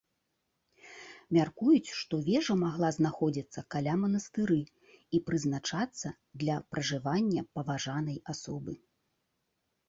Мяркуюць, што вежа магла знаходзіцца каля манастыры і прызначацца для пражывання паважанай асобы.